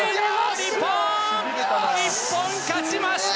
日本、日本勝ちました！